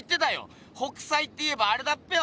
北斎っていえばアレだっぺよ